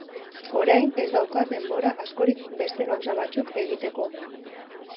Orain ez daukat denbora askorik beste gauza batzuk egiteko.